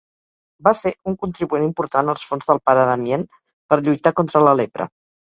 Va ser un contribuent important als fons del pare Damien per lluitar contra la lepra.